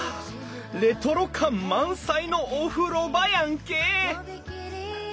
レトロ感満載のお風呂場やんけ！